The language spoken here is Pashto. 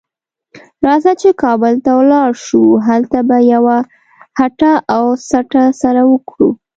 راځه چې کابل ته ولاړ شو؛ هلته به یوه هټه او سټه سره وکړو.